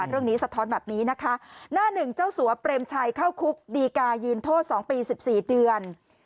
สะท้อนแบบนี้นะคะหน้าหนึ่งเจ้าสัวเปรมชัยเข้าคุกดีกายืนโทษ๒ปี๑๔เดือน